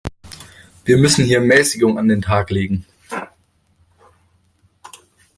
Wir müssen hier Mäßigung an den Tag legen.